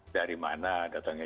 dari mana datangnya